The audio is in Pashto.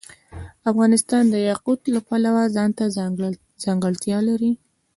افغانستان د یاقوت د پلوه ځانته ځانګړتیا لري.